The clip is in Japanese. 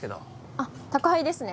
あっ宅配ですね。